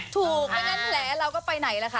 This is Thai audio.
ถูกก็งั้นแล้วเราก็ไปไหนล่ะคะ